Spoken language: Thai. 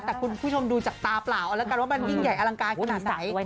แต่คุณผู้ชมดูจากตาเปล่าเอาแล้วกันว่ามันยิ่งใหญ่อลังการขนาดไหน